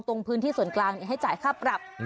ตรงพื้นที่ส่วนกลางให้จ่ายค่าปรับ